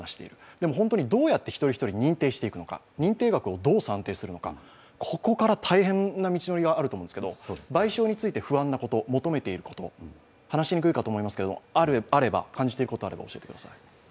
でも、どうやって一人一人認定していくのか、認定額をどう算定するのか、ここから大変な道のりがあると思うんですけど賠償について不安なこと、求めていること、話しにくいかと思いますがあればお願いいたします。